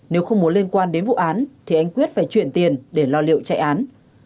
nếu không muốn liên quan đến vụ án thì anh quyết phải chuyển tiền để lo liệu chạy án